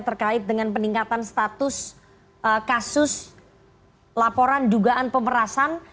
terkait dengan peningkatan status kasus laporan dugaan pemerasan